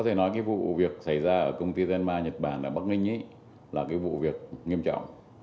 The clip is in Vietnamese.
thầy ra ở công ty tenma nhật bản ở bắc ninh là cái vụ việc nghiêm trọng